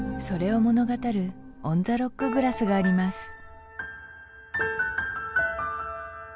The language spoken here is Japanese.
それを物語るオンザロックグラスがあります